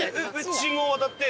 信号渡って。